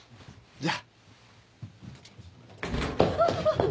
じゃあ。